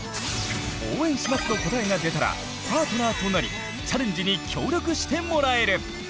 「応援します！」の答えが出たらパートナーとなりチャレンジに協力してもらえる！